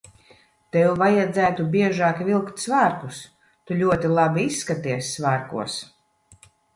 Tev vajadzētu biežāk vilkt svārkus. Tu ļoti labi izskaties svārkos.